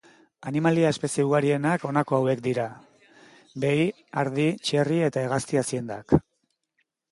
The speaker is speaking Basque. Animalia-espezie ugarienak honako hauek dira; behi-, ardi-, txerri- eta hegazti-aziendak.